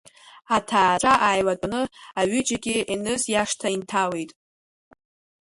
Аҭаацәа ааилатәоны, аҩыџьагьы Еныз иашҭа инҭалеит.